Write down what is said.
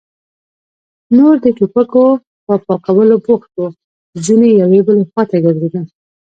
نور د ټوپکو په پاکولو بوخت وو، ځينې يوې بلې خواته ګرځېدل.